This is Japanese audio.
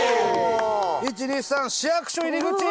１２３市役所入口！